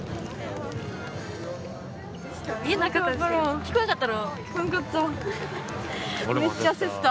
聞こえんかったろ？